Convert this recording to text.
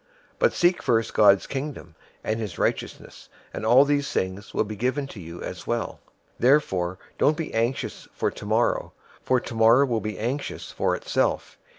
006:033 But seek first God's Kingdom, and his righteousness; and all these things will be given to you as well. 006:034 Therefore don't be anxious for tomorrow, for tomorrow will be anxious for itself.